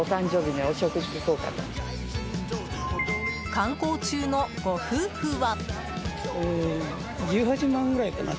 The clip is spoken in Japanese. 観光中のご夫婦は。